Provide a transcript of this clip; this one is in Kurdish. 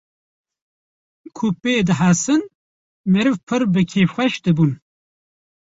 ku pê dihesin meriv pir bi kêfxweş dibûn